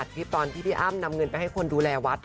คลิปตอนที่พี่อ้ำนำเงินไปให้คนดูแลวัด